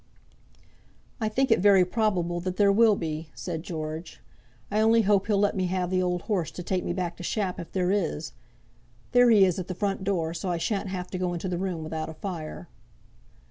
"I think it very probable that there will be," said George. "I only hope he'll let me have the old horse to take me back to Shap if there is. There he is at the front door, so I shan't have to go into the room without a fire."